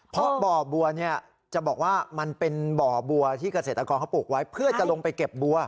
เพราะบ่อบัวเนี่ยจะบอกว่ามันเป็นบ่อบัวที่เกษตรกรเขาปลูกไว้เพื่อจะลงไปเก็บบัว